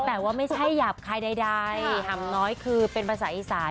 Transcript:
แต่ว่าไม่ใช่หยาบคายใดห่ำน้อยคือเป็นภาษาอีสาน